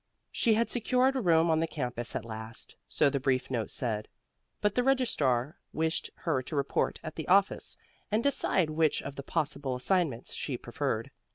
She had secured a room on the campus at last, so the brief note said; but the registrar wished her to report at the office and decide which of two possible assignments she preferred.